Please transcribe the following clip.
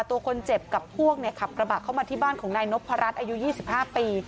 ตัวคนเจ็บกับพวกเนี้ยครับระบะเข้ามาที่บ้านของนายนพรรดิอายุยี่สิบห้าปี